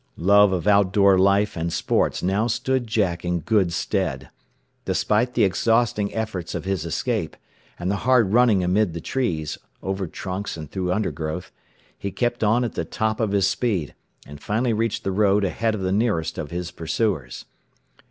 Love of outdoor life and sports now stood Jack in good stead. Despite the exhausting efforts of his escape, and the hard running amid the trees, over trunks and through undergrowth, he kept on at the top of his speed, and finally reached the road ahead of the nearest of his pursuers.